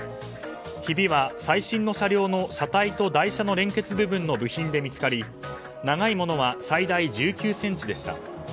ひびは最新の車両の車体と台車の連結部分の部品で見つかり長いものは最大１９ｃｍでした。